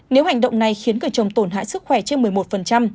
nếu hành động này khiến người chồng tổn hại sức khỏe trên một mươi một